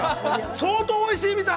相当おいしいみたい！